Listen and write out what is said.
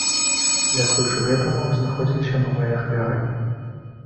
Дзякуючы гэтаму знаходзіліся новыя ахвяры.